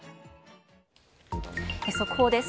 速報です。